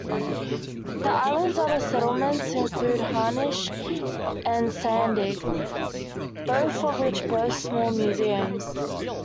The island's other settlements include Hynish and Sandaig, both of which boast small museums.